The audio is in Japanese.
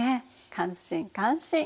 感心感心。